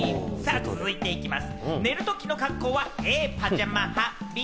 続いていきます。